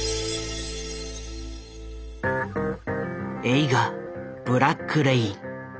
映画「ブラック・レイン」。